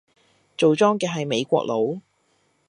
做莊嘅係美國佬